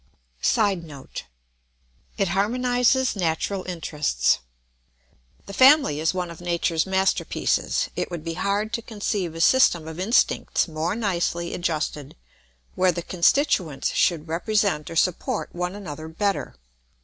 [Sidenote: It harmonises natural interests.] The family is one of nature's masterpieces. It would be hard to conceive a system of instincts more nicely adjusted, where the constituents should represent or support one another better.